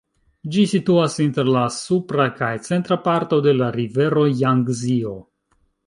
Ĝi situas inter la supra kaj centra parto de la rivero Jangzio.